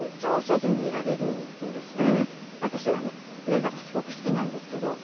だからすごく好きなんですけど。